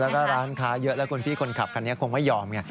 แล้วก็ร้านค้าเยอะแล้วคุณพี่คนขับคันนี้คงไม่ยอมไง